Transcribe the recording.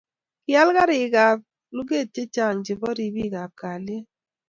kial karik ab luget chechang chebo ribib ab kalyet